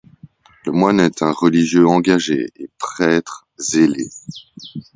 Le moine est un religieux engagé et prêtre zélé.